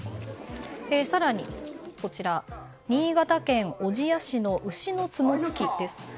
更に、新潟県小千谷市の牛の角突きです。